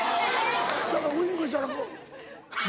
だからウインクしたらこう。